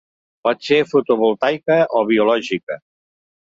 Pot ser fotovoltaica o biològica.